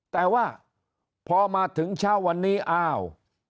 แต่ว่าพอมาถึงเช้าวันนี้อ้าว